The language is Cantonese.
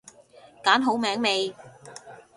揀好名未？